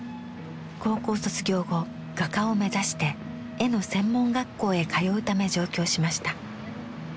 高校卒業後画家を目指して絵の専門学校へ通うため上京しました。